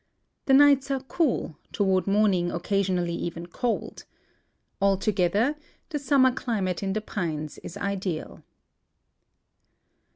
The nights are cool, toward morning occasionally even cold. Alto gether the summer climate in the pines is ideal.